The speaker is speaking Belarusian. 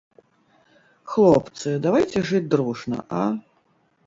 Хлопцы, давайце жыць дружна, а!